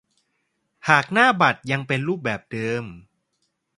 หากหน้าบัตรยังเป็นรูปแบบเดิม